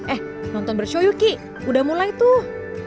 eh nonton bershow ki udah mulai tuh